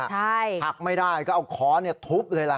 ใช่หักไม่ได้ก็เอาคอทุบเลยล่ะค่ะ